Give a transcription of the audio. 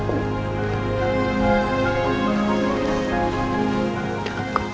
aku mau pulang